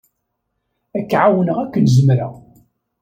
Ad k-ɛawneɣ akken zemreɣ.